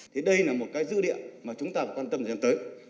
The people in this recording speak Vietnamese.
thì đây là một dữ địa mà chúng ta phải quan tâm đến tới